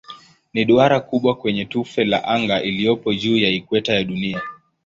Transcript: Ni duara kubwa kwenye tufe la anga iliyopo juu ya ikweta ya Dunia.